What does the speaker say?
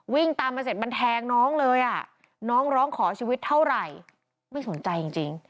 วิ่งตามมาเสร็จมันแทงน้องเลยอ่ะน้องร้องขอชีวิตเท่าไหร่ไม่สนใจจริง